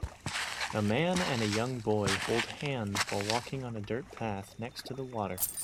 A man and a young boy hold hands while walking on a dirt path next to the water